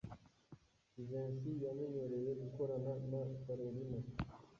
Jivency yamenyereye gukorana na Kalorina.